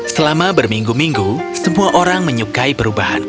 selama berminggu minggu semua orang menyukai perubahan